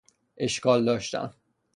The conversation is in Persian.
اشکال داشتن